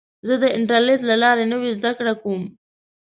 زه د انټرنیټ له لارې نوې زده کړه کوم.